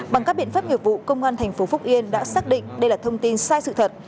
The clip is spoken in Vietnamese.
bằng các biện pháp nghiệp vụ công an thành phố phúc yên đã xác định đây là thông tin sai sự thật